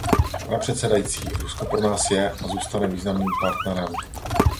Pane předsedající, Rusko pro nás je a zůstane významným partnerem.